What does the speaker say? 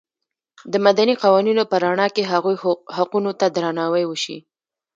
د مدني قوانینو په رڼا کې هغوی حقونو ته درناوی وشي.